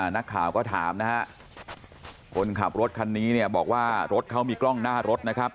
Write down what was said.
นักข่าวก็ถามนะฮะคนขับรถคันนี้เนี่ยบอกว่ารถเขามีกล้องหน้ารถนะครับ